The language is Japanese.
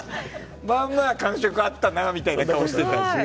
まあまあ感触あったなみたいな顔してたし。